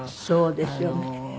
そうですよね。